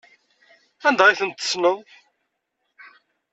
Anda ay ten-tessneḍ?